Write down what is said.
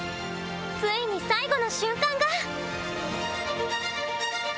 ついに最後の瞬間が。